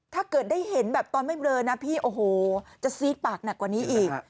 ถ้าเกิดได้เห็นแบบตอนไม่เบลอนะพี่โอ้โหจะซีดปากหนักกว่านี้อีก